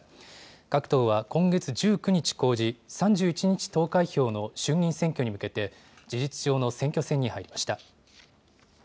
各党は今月１９日公示、３１日投開票の衆議院選挙に向けて、事実上の選挙戦に入りました。